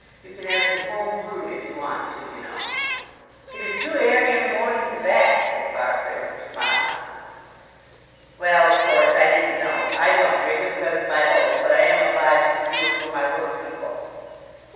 You can have some home brewed if you want to, you know." "It is too airly in the morning for that," said Farfrae with a smile. "Well, of course, I didn't know. I don't drink it because of my oath, but I am obliged to brew for my work people."